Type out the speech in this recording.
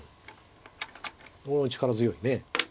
これは力強いね。